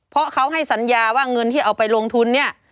เพราะเขาให้สัญญาว่าเงินที่เอาไปลงทุนเนี่ย